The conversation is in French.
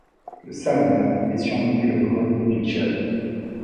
Le Salamat est surnommé le grenier du Tchad.